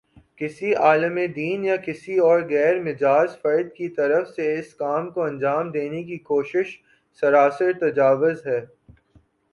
کسی عالمِ دین یا کسی اور غیر مجاز فرد کی طرف سے اس کام کو انجام دینے کی کوشش سراسر تجاوز ہے